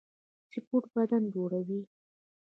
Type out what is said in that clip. سپورټ بدن جوړوي